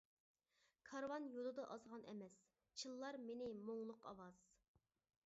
كارۋان يولدا ئازغان ئەمەس، چىللار مېنى مۇڭلۇق ئاۋاز.